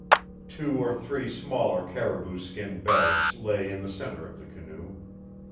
Two or three smaller caribou skin bags lay in the center of the canoe.